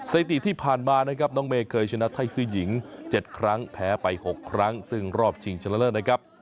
สถิติที่ผ่านมานะครับน้องเมย์เคยชนะไทยซื้อหญิง๗ครั้งแพ้ไป๖ครั้งซึ่งรอบชิงชนะเลิศนะครับ